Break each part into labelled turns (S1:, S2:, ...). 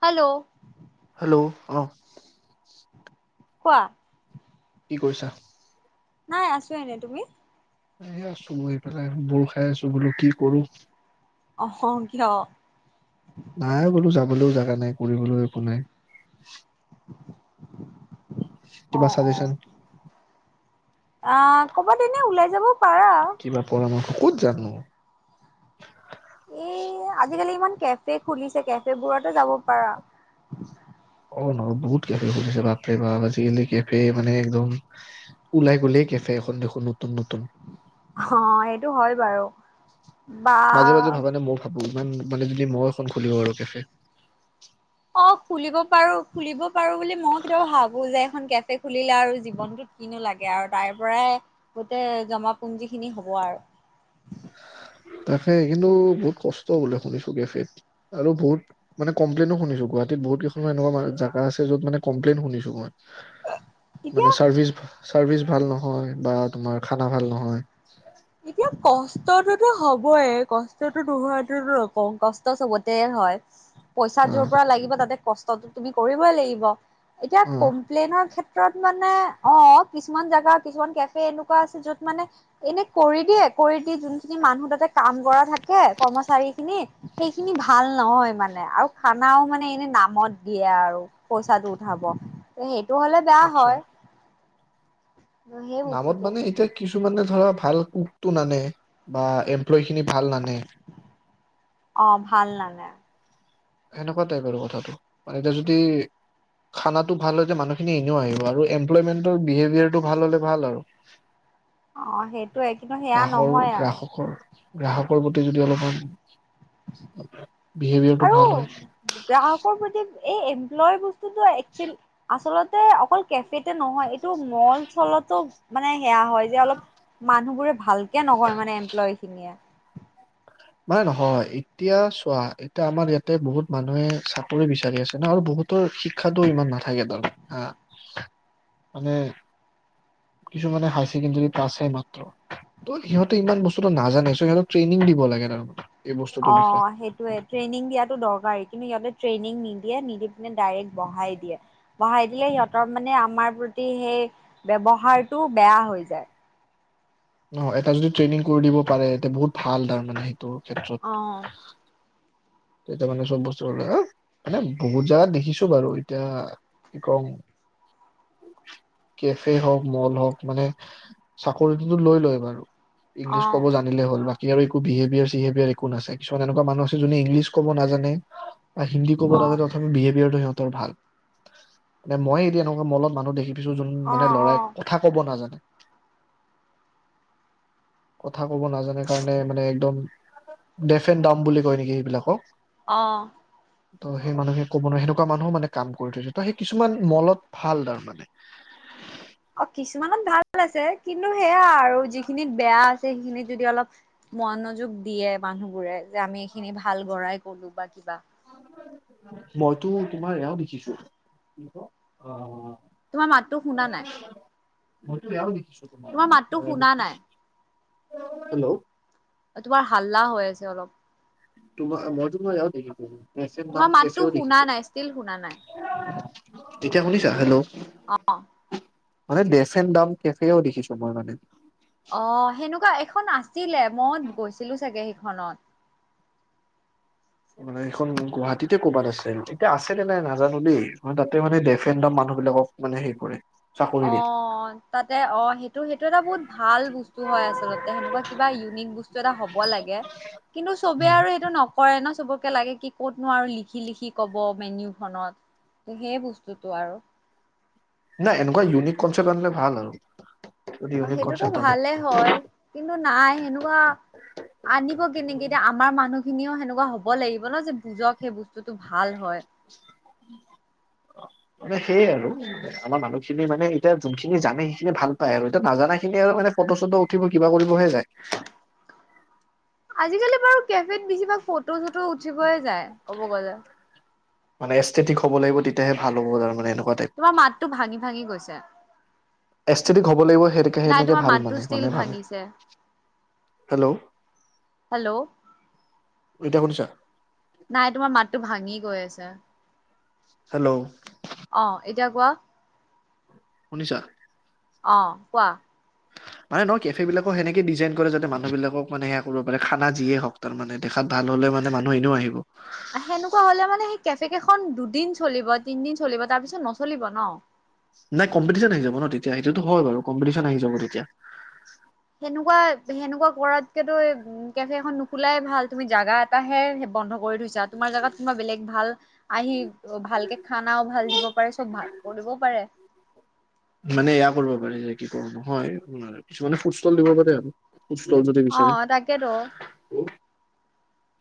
S1: Hello!
S2: Hello অ
S1: কোৱা
S2: কি কৰিছা?
S1: নাই আছো এনে তুমি?
S2: এ আছো বহি পেলাই বৰ খাই আছো বোলো কি কৰো
S1: অ', হ কিয়
S2: জাবলৈও জাগা নাই কৰিবলৈও একো নাই। কিবা
S1: অ', অ,
S2: চাজেচন
S1: ' অঁ, কবাত এনে ওলাই যাব পাৰা।
S2: কিবা পৰামৰ্শ ক'ত যামনো
S1: এ আজিকালি ইমান কেফে খুলিছে কেফে বোৰতে যাব পাৰা।
S2: অঁ ন বহুত কেফে সুধিছে বাপে বাপ আজিকালি কেফে মানে একদম ওলাই গ'লেই কেফে এখন দেখো নতুন নতুন।
S1: অঁ, এইটো হয় বাৰু। বা
S2: মাজে মাজে ভাবা নে মই ভাবো ইমান মানে যদি মইও এখন খুলিব পাৰু কেপে।
S1: অ খুলিব পাৰো খুলিব পাৰো বুলি মই কেতিয়াবা ভাবো যে এখন কেফে খুলিলে আৰু জীৱনটোত কিনো লাগে আৰু তাৰ পৰাই গোটেই জমাপুঞ্জি খিনি হ'ব আৰু
S2: তাকে কিন্তু বহুত কষ্ট বোলে শুনিছো কেফেত আৰু বহোত মানে কমপ্লেইন নো শুনিছো গুৱাহীত বহুত গেখনৰ এনেকুৱা জেগা আছে যত মানে কমপ্লেইন শুনিছো মই। মানে
S1: তেতিয়া
S2: চাৰ্ভিচ চাৰভিচ ভাল নহয়, বা খানা ভাল নহয়।
S1: এতিয়া কষ্টটোতো হবই কষ্টতো নোহোৱা নকওঁ কষ্ট চবতে হয়। পইচা যোৰ
S2: অ',
S1: পৰা লাগিব তাতে কষ্টতো তুমি কৰিবই লাগিব। এতিয়া
S2: অ'।
S1: কমপ্লেইনৰ ক্ষেত্ৰত মানে অঁ কিছুমান জেগাত কিছুমান কেফে এনেকুৱা আছে যত মানে এনে কৰি দিয়ে কৰি দি যোনখিনি মানুহ তাতে কাম কৰা থাকে কৰ্মচাৰী খিনি সেইখিনি ভাল নহয় মানে আৰু খানাও মানে এনে নামত দিয়ে আৰু পইচাটো উঠাব সেই নহ'লে বেয়া
S2: আচ্ছা
S1: হয়। সেই
S2: নামত
S1: বস্তুটো
S2: মানে এতিয়া কিু কিছুামানে ধৰা ভাল কোক তো নানে বা এমপ্লয় খিনি ভাল নানে
S1: অ', ভাল নানে।
S2: সেনেকুৱা টাইপ আৰু কথাটো মানে এতিয়া যদি খানাটো ভাল হয়তো মানুহখিনি এনেও আহিব আৰু এমপ্লয়মেন্টৰ বিহেভিয়াৰটো ভাল হলে ভাল আৰু।
S1: অ সেইটোয়ে কিন্তু সেয়া
S2: গ্ৰাহৰ
S1: নহয় আৰু
S2: গ্ৰাহকৰ গ্ৰাহকৰ প্ৰতি যদি অলপমান [unintelligible]
S1: আৰু
S2: হয়
S1: গ্ৰাহকৰ প্ৰতি, এই এমপ্লয় বস্তুো একচুৱেলি আচলতে অকল কেফেতে নহয় এইটো মল চলতো মানে সেয়া হয় যে অলপ মানুহবোৰে ভালকে নহয় মানে এমপ্লয় খিনিয়ে।
S2: মানে নহয় এতিয়া চোৱা এতিয়া আমাৰ ইয়াতে বহুত মানুহে চাকৰি বিচাৰি আছে ন আৰু বহুতৰ শিক্ষাতটো ইমান নাথাকে তাৰ হা মানে কিছুমানে হায় ছেকেণ্ডাৰী পাছ হয় মাত্ৰ ত সিহঁতে ইমান বস্তুটো নাজানে সিহঁতক ট্ৰেইনিং দিব লাগে। [unintelligible]
S1: অ
S2: বিষয়ে
S1: সেইটোয়ে ট্ৰেইনিং দিয়টো দৰকাৰ কিন্তু ইহতে, ট্ৰেইনিং নিদিয়ে নিদি পিনে ডাইৰেক্ট বহাই দিয়ে বহাই দিলে সিহঁতৰ মানে আমাৰ প্ৰতি সেই ব্যৱহাৰটো বেয়া হৈ যায়।
S2: নহ এটা যদি ট্ৰেইনিং কৰি দিব পাৰে এতিয়া বহুত ভাল তাৰ মানে। ত ক্ষেত্ৰত,
S1: অ',
S2: এতিয়া মানে চব বস্তু আহ মানে বহুত যাগ দেখিছো বাৰু এতিয়া কি কম কেফে হওক মল হওক মানে চাকৰিটো লৈ লয় বাৰু। ইংলিছ
S1: অ',
S2: কব জানিলে হল বী কি আৰু একো বিহেভিয়াৰ - চিহেভয়াৰ একো নাছাই কিছমান এনেকুৱা মানু আছে যোনে ইংলি ক'ব নাজানে। হিন্দী ক'ব
S1: অ',
S2: নাজানে অথনি বিহভিয়াৰে ভাল মে মই এতিয়া এনেকুৱা মলত মানুহ দেখি ছু যোন মানে ল'ৰা
S1: অ',
S2: কথা ক'ব নাজানে কথা ক'ব নাজানে কাৰণে মানে একদম ডেফ এন ডাম বুলি কয় নেকি সেইবিলাকক
S1: আহ।
S2: ত' সেই মানুহে ক'ব নোৱাৰে সেনেকুৱা মানুহো মানে কাম কৰি থৈছে ত সেই কিছুমান মলত ভাল তাৰ মানে
S1: অ কিছুমানত ভাল আছে কিন্তু স সেয়া আৰু যিখিনিত বেয়া আছে সেইখিনিত যদি অলপ মনোযোগ দিয়ে মানুহবোৰে যে আমি এইখিনি ভাল গ়ই কলো বা কিবা
S2: মইতো তোমাৰ এয়াও দেখিছো কি ক অ
S1: তোমাৰ মাতটো শুনা নাই।
S2: ম দি [unintelligible]
S1: তোমাৰ মাতটো শুনা নাই?
S2: হেল্ল'
S1: তোমাৰ হাল্লা হৈ আছে অলপ
S2: তোমাৰ মইতো তোমাৰ ইয়াতে
S1: তোমাৰ মাতটো শুনা নাই, ষ্টিল শুনা নাই।
S2: তেতিয়া শুনিছা? হেল্ল' মানে দেফেন দাম কেফেও দেখিছোঁ মই মানে
S1: সেইখন আছিলে মই গৈছিলোঁ চাগে সেইখনত।
S2: মানে সেইখন গুৱাহাটীতে ক'ৰবাত আছে। এতিয়া আছে নে নাই নাজানোঁ দেই ম তাতে মানে ডেফেনড মানুহ বিলাকক মানে হেই কৰে। চাকৰি দিয়ে
S1: অ' তাতে অ' সেইটো সেইটো এটা বহুত ভাল বস্তু হয় আচলতে সেনেকুৱা কিবা ইউনিক বস্তু এটা হ'ব লাগে কিন্তু চবে আৰু এইটো নকৰে ন চবকে লাগে কি ক'তনো আৰু লিখি লিখি কব মেনীউখনত সেই বস্তুতটো আৰু
S2: নাই, এনেকুৱা ইউনিক কনচেপ্ট আনিলে ভাল আৰু যদি
S1: অ
S2: ইউনিক
S1: সেইটোতো
S2: কনচেপ্ট আনে
S1: ভালে হয় কিন্তু নাই সেনেকুৱা আনিব কেনেকে এতিয়া আমাৰ মানুহ খিনিও সেনেকুৱা হ'ব লাগিব ন যে বুজক সেই বস্তু টো ভাল হয়।
S2: মানে সেয়ে আৰু আমাৰ মানুহখিনি মানে এতিয়া যোনখিনি জানে সেইখিনি ভাল পায় আৰু এতিয়া নাজানা খিনি আৰু মানে ফটো চটো উঠিব কিবা কৰিবহে যায়।
S1: আজিকালি বাৰু কিয় বেছিভাগ ফটো চটো উঠিবয়ে যায় ক'ব গ'লে।
S2: মানে এষ্ঠেটিক হ'ব লাগিব তেতিয়াহে ভাল হ'ব তাৰমানেনো।
S1: তোমাৰ মাতটো ভাঙি ভাঙি গৈছে।
S2: এষ্ঠেটিক হ'ব লাগিব সেইটোকে
S1: নাই
S2: সেনেকে
S1: তোমাৰ
S2: ভাল
S1: মাতটো
S2: মানে
S1: ষ্টিল
S2: মানুহে ভাবে
S1: ভাঙিছে
S2: হেল্ল',
S1: হেল্ল'
S2: এতিয়া শুনিছা?
S1: নাই তোমাৰ মাতটো ভাঙি গৈ আছে।
S2: হেল্ল'।
S1: অ এতিয়া কোৱা।
S2: শুনিছা?
S1: অ, কোৱা?
S2: মানে ন কেফে বিলাকক সেনেকে ডিজাইন কৰে যাতে মানুহ বিলাকক মানে সেয়া কৰিব পাৰে খানা যিয়ে হওক তাৰ মানে দেখাত ভাল হ'লে মানে মানুহ এনেও আহিব।
S1: সেনেকুৱা হ'লে মানে সেই কেফে কেইখন দুদিন চলিব তিনদিন চলিব তাৰ পিছত নচলিব ন।
S2: নাই কম্পিটিচন হৈ যাব ন' তেতিয়া সেইটোতো হয় বাৰু কম্পিটিচন আহি যাব তেতিয়া।
S1: সেনেকুৱা-সেনেকুৱা কৰাতকেতো এই কেফেখন নোখোলাই ভাল তুমি জোগা এটাহে বন্ধ কৰি থৈছা তোমাৰ জোগাত কোনোবা বেলেগ ভাল আহি অ, ভালকে খানাও ভাল দিব পাৰে চব ভাল। কৰিব পাৰে।
S2: মানে এয়া কৰিব পাৰে যে কি কওঁ নহয় কিছুমানে ফুড ষ্টল দিব পাৰে আৰু। ফুড ষ্টল যদি
S1: অ,
S2: বিচাৰে
S1: তাকেতো।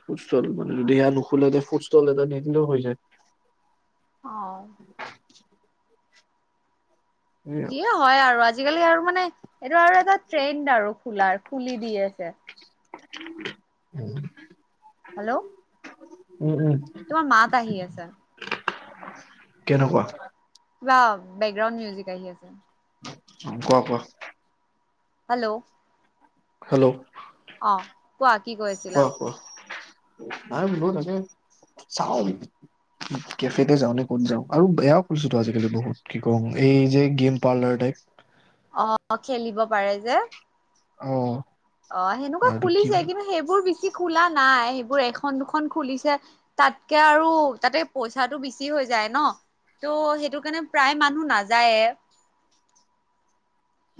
S2: ফুড ষ্টল, মানে যদি সেয়া নোখোলে যদি ফুড ষ্টল এটা দি দিলেও হৈ যায়।
S1: [unintelligible]
S2: সেয়া
S1: যিয়ে হয় আৰু আজ আজিকালি আৰু মানে এইটো আৰু এটা ট্ৰেণ্ড আৰু খোলাৰ খুলি দিয়ে যে।
S2: [unintelligible]
S1: হেল্ল'।
S2: উম
S1: তোমাৰ মাত আহি আছে।
S2: কেনেকুৱা?
S1: [unintelligible] বেকগ্ৰাউণ্ড মিউজিক আহি আছে।
S2: অ, কোৱা-কোৱা।
S1: হেল্ল',
S2: হেল্ল',
S1: অ কোৱা কি কৈ আছিলা?
S2: কোৱা কোৱা নাই বোলো তাকে চাওঁ কেফেতে যাওঁ নে ক'ত যাওঁ আৰু বেয়া কৰিছেতো আজিকালি বহুত কি কম এই যে গেম পাৰ্লাৰ টাইপ
S1: অ' খেলিব পাৰে যে।
S2: অ'।
S1: অ' সেনেকুৱা
S2: এইটো কি
S1: খুলিছে
S2: বুলি
S1: কিন্তু সেইবোৰ বেছি খোলা নাই সেইবোৰ এখন দুখন খুলিছে তাতকে আৰু তাতে পইচাটো বেছি হৈ যায় ন ত' সেইটো কাৰণে প্ৰায় মানুহ নাযায়ে।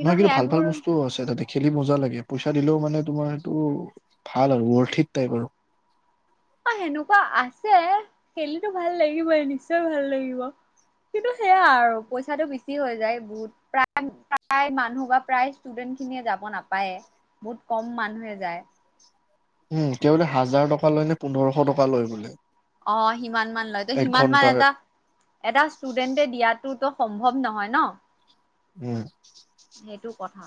S2: নহয় কিন্তু ভাল ভাল বস্তুও আছে তাতে। খেলি মজা লাগে। পইচা দিলেও মানে তোমাৰ এইটো ভাল আৰু উৰ্বতথিট টাইপ আৰু।
S1: অ' সেনেকুৱা আছে। পিছে খেলিটো ভাল লাগিবই নিশ্চয় ভাল লাগিব। কিন্তু সেয়া আৰু পইচাটো বেছি হৈ যায়। বহুত প্ৰায় -প্ৰায় মানুহ বা প্ৰায় ষ্টুডেন্ট খিনিয়ে যাব নাপায় বহুত কম মানুহে যায়।
S2: উ'ম তেওঁলোকে হাজাৰ টকা লয় নে পোন্ধৰশ টকা লয় বোলে।
S1: অ' সিমান মান লয় ত
S2: এক
S1: সিমান মান
S2: ঘন্টাৰ
S1: এটা এটা ষ্টুডেন্টে দিয়াতোতো। সম্ভৱ নহয় ন।
S2: উ'ম।
S1: সেইটো কথা।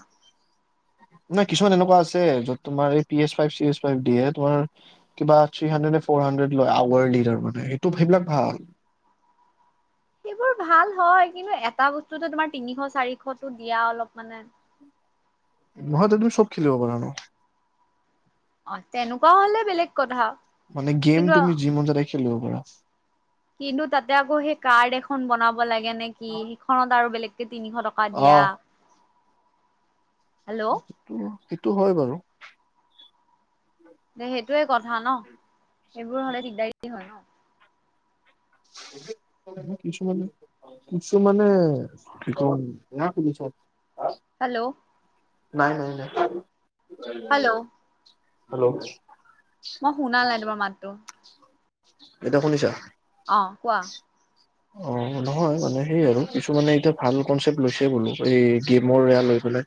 S2: নাই, কিছুমান এনেকুৱা আছে য'ত তোমাৰ P S five, C S five দিয়ে। তোমাৰ ৰ্থীৰী হাৰ্টৰেট নে ফ'ৰ হাৰ্টৰেট লৈ আৱাৰ দি তাৰমানে, সেইবিলাক ভাল।
S1: সেইবোৰ ভাল হয় কিন্তু এটা বস্তুটো তোমাৰ তিনিশ চাৰিশতো দিয়া অলপ মানে।
S2: মইতো ত'ত চব খেলিব পাৰা ন।
S1: অ' তেনেকুৱা হ'লে বেলেগ কথা
S2: মানে গেম
S1: কিন্তু
S2: তুমি যি মন যায় তাকে খেলিব পাৰা। [unintelligible]
S1: কিন্তু তাতে আকৌ সেই কাৰ্ড এখন বনাব লাগে নে কি সিখনত আৰু বেলেগ। তিনিশ টকা দিয়া।
S2: অহ
S1: হেল্ল'
S2: সেইটো- সেইটো হয় বাৰু।
S1: নাই সেই এইটোৱে কথা ন সেইবোৰ হ'লে দিগদাৰ হয় ন।
S2: কিছুমানে- কিছুমানে
S1: হেল্ল'।
S2: নাই, নাই, নাই।
S1: Hello
S2: [unintelligible] hello.
S1: মই শুনা নাই তোমাৰ মাতটো।
S2: এতিয়া, শুনিছা?
S1: অ', কোৱা।
S2: অ' নহয় মানে সেই আৰু কিছু মানে এতিয়া ভাল কনচেপ্ট লৈছে বোলো। এই গেমৰ এয়া লৈ পেলাই।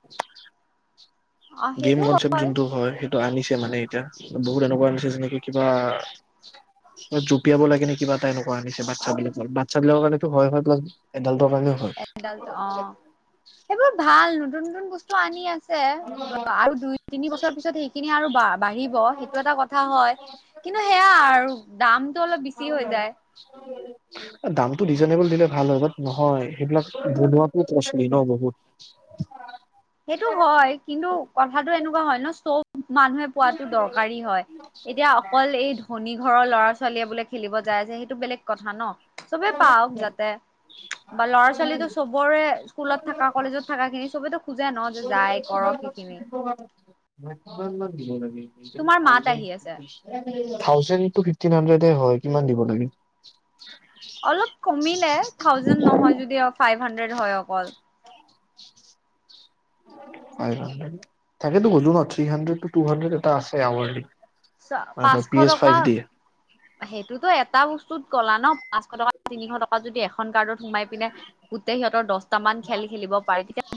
S1: অ
S2: গেম
S1: সেইটো হয়
S2: কনচেপ্ট যোনটো হয় সেইটো। আনিছে মানে এতিয়া বহুত এনেকুৱা আনিছে যেনেকে কিবা জুপিয়াব লাগে নে কিবা এটা এনেকুৱা আনিছে বাচ্ছা বিলাকৰ বাচ্ছা বিলাকৰ কাৰণটো হয় হয় প্লা এড
S1: অ সেইবোৰ ভাল যোন বস্তু আনি আছে আৰু দুই তিনি বছৰ পিছত সেইখিনি আৰু বা বাঢ়িব সেইটো এটা কথা হয়। কিন্তু সেয়া আৰু দামটো অলপ বেছি হৈ যায়।
S2: দামটো ৰিজনেবল দিলে ভাল হয়, বাত নহয়, সেইবিলাক বনোৱাটো কচলী ন' বহুত?
S1: সেইটো, হয়। কিন্তু কথাটো এনেকুৱা হয়, ন' চ' মানুহে পোৱাতো দৰকাৰী হয়, এতিয়া অকল এই ধনী ঘৰৰ ল'ৰা ছোৱালীয়ে বোলে খেলিব যায় আছে সেইটো বেলেগ কথা ন'? চবেই পাওঁক যাতে বা ল'ৰা ছোৱালীতো চবৰে স্কুলত থাকা, কলেজত থাকাখিনি চবেইটো
S2: [unintelligible] কিমান মান দিব লা
S1: তোমাৰ মাত আহি আছে
S2: [unintelligible] থাউজেণ্ড টু ফিফটিন হানড্রেদে হয়, কিমান দিব লাগে?
S1: অলপ কমিলে, থাউজেন নহয় যদি আৰু ফাইভ হানড্ৰেট হয়, অকল।
S2: ফাইভ হাণ্ডেড তাকেটো কৈছো ন', থিহানড্ৰেড টু হানড্ৰেড এটা আছে [unintelligible]
S1: চ' পাঁচশ
S2: পি এছ
S1: টকা
S2: ফাইভ দিয়ে
S1: সেইটোতো এটাও [unintelligible] ক'লা ন' পাঁচশ টকা তিনিশ টকা যদি এখন কাৰ্ডত সোমাই পিনে গোটেই সিহঁতৰ দছটা মান খেল খেলিব পাৰে। [unintelligible]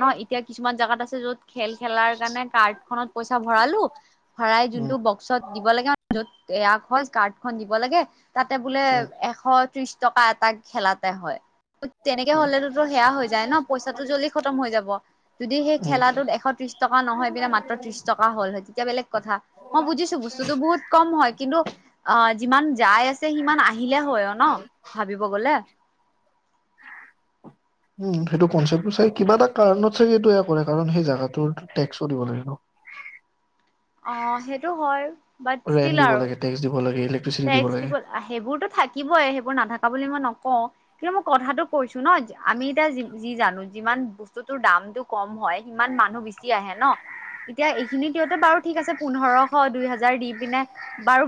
S1: নহয় এতিয়া কিছুমান জাগাত আছে যত খেল খেলাৰ কাৰণে কাৰ্ড খনত পইচা ভৰালো ভৰাই
S2: উম
S1: যোনটো বক্সত দিব লাগে [unintelligible] য'ত [unintelligible] কাৰ্ডখন দিব লাগে তাতে বোলে
S2: উম
S1: এশ ত্ৰিশ টকা এটা খেলাতে হয়। ত তেনেকে
S2: উম
S1: হলেতোতো সেয়া হৈ যায় ন' পইচাটো জল্দি খতম হৈ যাব, যদি সেই
S2: উম
S1: খেলাটোত এশ ত্ৰিশ টকা নহয় [unintelligible] মাত্ৰ ত্ৰিশ টকা হ'ল হয় তেতিয়া বেলেগ কথা, মই বুজিছো বস্তুটো বহুত কম হয় কিন্তু অ, যিমান যাই আছে সিমান আহিলে হয় অ ন ' ভাবিব গলে।
S2: উম, সেইটো কনচেপটো চাই কিবা এটা কাৰণত চাগে এইটো এইয়া কৰে কাৰণ সেই জাগাটোৰ টেক্সও দিব লাগিব ন'।
S1: অ, সেইটো হয়। বাট
S2: ৰেন্
S1: ষ্টিল
S2: দিব
S1: আৰু
S2: লাগে, টেক্স দিব লাগে, ইলেক্ট্
S1: টেক্স দিব আহে সেইবোৰতোত থাকিবই সেইবোৰ নাথাকা বুলি মই নকওঁ কিন্তু মই কথাটো কৈছো ন আমি এতিয়া যি যি জানো যিমান বস্তু তোৰ দামতটো কম হয় সিমান মানুহ বেছি আহে ন এতিয়া এইখিনি দিওঁতে বাৰু ঠিক আছে পোন্ধৰশ দুই হোজাৰ দিম। পিনে বাৰু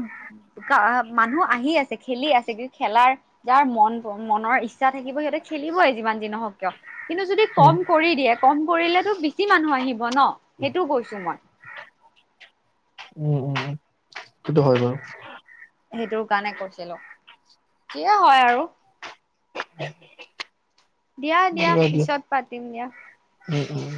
S1: মানুহ আহি আছে খেলি আছে কিন্তু খেলাৰ যাৰ মন মনৰ ইচ্ছা থাকিব সিহঁতে, খেলিবই যিমান যি নহওক। কিয়। কিন্তু যদি
S2: উম,
S1: কম কৰি দিয়ে কম কৰিলেো বেছি মানুহ আহিব ন সেইটো কৈছো মই।
S2: উম উম সেইটো হয় বাৰু
S1: সেইটোৰ কাৰণে কৈছিলো যিয়ে হয় আৰু দিয়া দিয়া পিছত পাতিম দিয়া।
S2: উম উম,